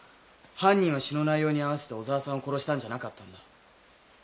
犯人は詩の内容に合わせて小沢さんを殺したんじゃなかったんだ。